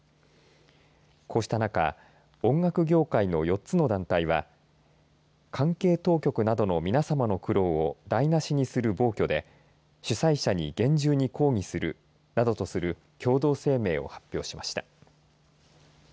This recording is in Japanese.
こうした中、音楽業界の４つの団体は関係当局などの皆さまの苦労を台なしにする暴挙で主催者に厳重に抗議するなどとする共同声明を発表しました。